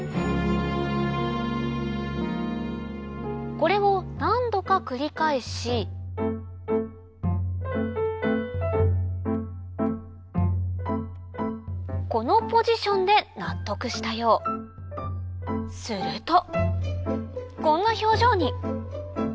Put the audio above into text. これを何度か繰り返しこのポジションで納得したようするとこんな表情に！